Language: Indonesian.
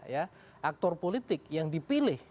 ya aktor politik yang dipilih